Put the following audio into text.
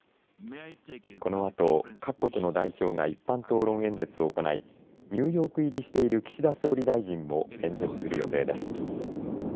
このあと、各国の代表が一般討論演説を行いニューヨーク入りしている岸田総理大臣も演説する予定です。